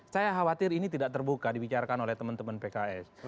saya khawatir ini tidak terbuka dibicarakan oleh teman teman pks